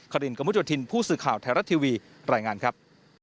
รินกระมุดโยธินผู้สื่อข่าวไทยรัฐทีวีรายงานครับ